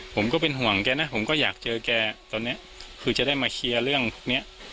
ผมก็เป็นห่วงแกนะผมก็อยากเจอแกตอนเนี้ยคือจะได้มาเคลียร์เรื่องเนี้ย